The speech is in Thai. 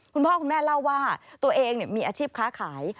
คุณพ่อคุณแม่เล่าว่าตัวเองมีอาชีพค้าขาย